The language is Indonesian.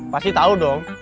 pasti tau dong